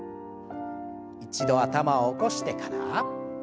一度頭を起こしてから。